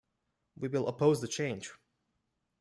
We will oppose the change.